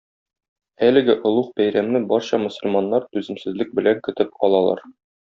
Әлеге олуг бәйрәмне барча мөселманнар түземсезлек белән көтеп алалар.